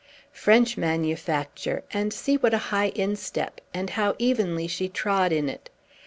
French manufacture; and see what a high instep! and how evenly she trod in it!